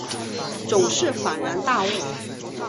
总是恍然大悟